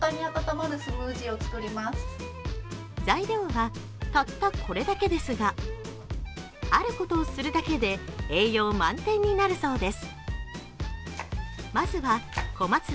材料はたったこれだけですがあることをするだけで、栄養満点になるそうです。